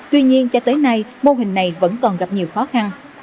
tuy nhiên cho tới nay mô hình này vẫn còn gặp nhiều khó khăn